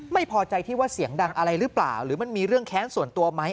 ไม่พอใจที่ว่าเสียงดังอะไรหรือเปล่าหรือมันมีเรื่องแค้นส่วนตัวไหม